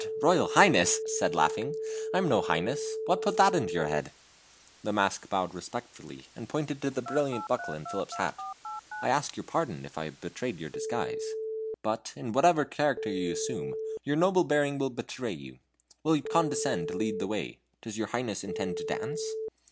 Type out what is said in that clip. Royal Highness?" said laughing. "I am no highness. What put that in your head?" The mask bowed respectfully, and pointed to the brilliant buckle in Philip's hat. "I ask your pardon if I have betrayed your disguise. But, in whatever character you asume, your noble bearing will betray you. Will you condescend to lead the way? Does your Highness intend to dance?"